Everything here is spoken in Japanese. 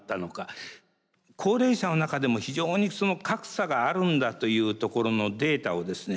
高齢者の中でも非常に格差があるんだというところのデータをですね